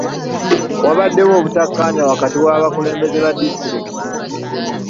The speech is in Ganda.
Waabaddewo obutakkaanya wakati w'abakulembeze ba disitulikiti.